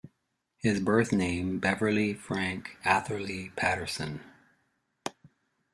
His birth name: Beverley Frank Atherly Patterson.